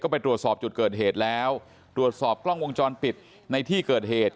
ไปตรวจสอบจุดเกิดเหตุแล้วตรวจสอบกล้องวงจรปิดในที่เกิดเหตุ